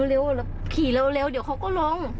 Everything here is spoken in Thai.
ขี่เร็วเดี๋ยวเขาก็ลง